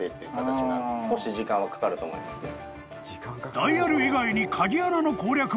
［ダイヤル以外に鍵穴の攻略も必要］